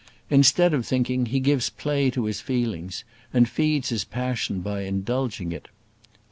Instead of thinking, he gives play to his feelings, and feeds his passion by indulging it.